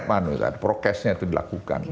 manusia prokesnya itu dilakukan